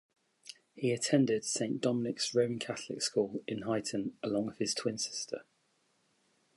He attended Saint Dominic's Roman Catholic school in Huyton along with his twin sister.